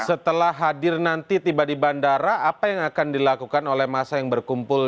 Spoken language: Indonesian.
setelah hadir nanti tiba di bandara apa yang akan dilakukan oleh masa yang berkumpul